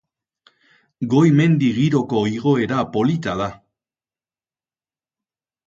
Goi mendi giroko igoera polita da.